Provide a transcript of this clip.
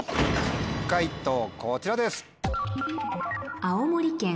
解答こちらです。